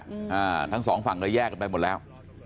อ่าทั้งสองฝั่งก็แยกกันไปหมดแล้ว